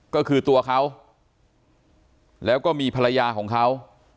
ก็คือตัวเขาแล้วก็มีภรรยาของเขา